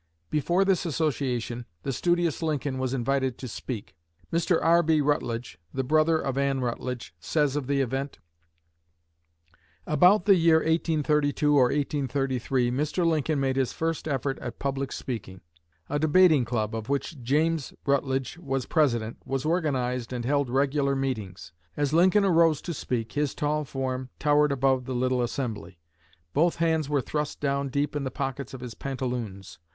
Before this association, the studious Lincoln was invited to speak. Mr. R.B. Rutledge, the brother of Anne Rutledge, says of the event: "About the year 1832 or 1833, Mr. Lincoln made his first effort at public speaking. A debating club, of which James Rutledge was president, was organized and held regular meetings. As Lincoln arose to speak, his tall form towered above the little assembly. Both hands were thrust down deep in the pockets of his pantaloons.